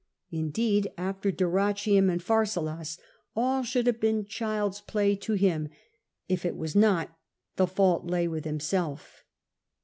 Indeed, after Dyrrhachiinn and Pliarsalus, all should have been child's play to him ; if it was not, the fault lay with himself.